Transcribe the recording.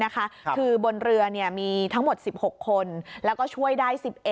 คือบนเรือมีทั้งหมด๑๖คนแล้วก็ช่วยได้๑๑